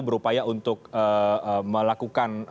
berupaya untuk melakukan